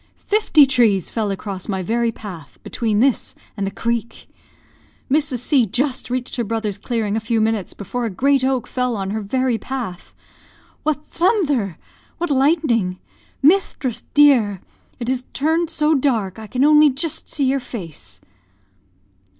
Fifty trees fell across my very path, between this an' the creek. Mrs. C just reached her brother's clearing a few minutes before a great oak fell on her very path. What thunther! what lightning! Misthress, dear! it's turn'd so dark, I can only jist see yer face."